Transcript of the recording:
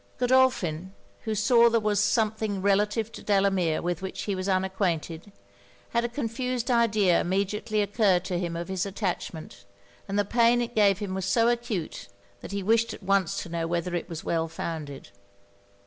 Godolphin, who saw there was something relative to Delamere with which he was unacquainted, had a confused idea immediately occur to him of his attachment: and the pain it gave him was so acute, that he wished at once to know whether it was well founded.